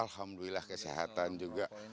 alhamdulillah kesehatan juga